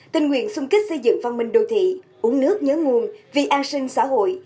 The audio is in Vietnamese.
tình nguyện xung kích xây dựng văn minh đô thị uống nước nhớ nguồn vì an sinh xã hội